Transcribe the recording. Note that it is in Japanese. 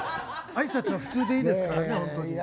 あいさつは普通でいいですからね。